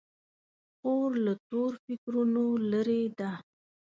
خور له تور فکرونو لیرې ده.